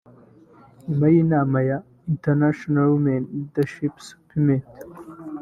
nyuma y'inama ya 'International Women Leadership Summit'